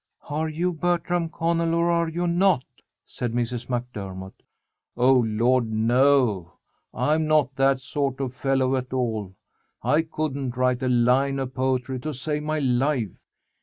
"Are you Bertram Connell, or are you not?" said Mrs. MacDermott. "Oh Lord, no. I'm not that sort of fellow at all. I couldn't write a line of poetry to save my life.